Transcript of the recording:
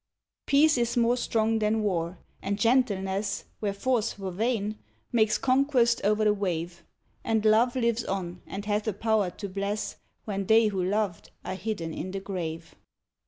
Peace is more strong than war, and gentleness, Where force were vain, makes conquest o'er the wave; And love lives on and hath a power to bless, When they who loved are hidden in the grave.